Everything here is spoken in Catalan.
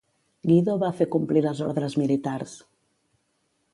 Guido va fer complir les ordres militars.